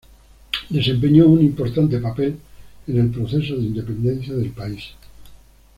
Desempeñó un importante papel en el proceso de independencia del país.